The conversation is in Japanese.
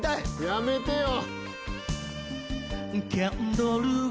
やめてよ。